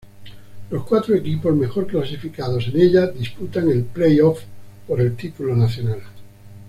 Los cuatro equipos mejor clasificados en ella disputan el play-off por el título nacional.